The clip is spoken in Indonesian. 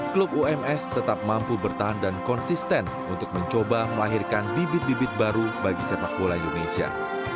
klub ums tetap mampu bertahan dan konsisten untuk mencoba melahirkan bibit bibit baru bagi sepak bola indonesia